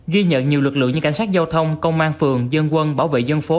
ghi nhận nhiều lực lượng như cảnh sát giao thông công an phường dân quân bảo vệ dân phố